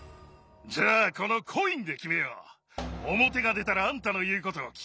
じゃあこのコインで決めよう！